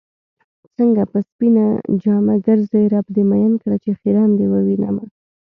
څنګه په سپينه جامه ګرځې رب دې مئين کړه چې خيرن دې ووينمه